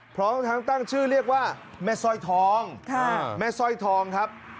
พร้อมทั้งชื่อเรียกว่าแม่ซอยทองครับ